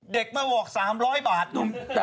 เด็กเบาะ๓๐๐บาท